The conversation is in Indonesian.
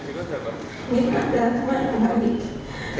mirna adalah teman yang baik